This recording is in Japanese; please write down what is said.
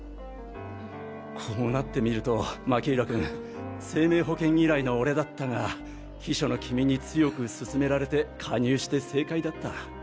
こうなってみると巻浦君生命保険嫌いの俺だったが秘書の君に強く勧められて加入して正解だった。